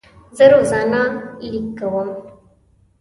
زه روزانه لیک کوم.